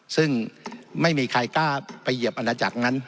ซึ่งไม่มีใครกล้าไปเหยียบอาณาจักรนั้น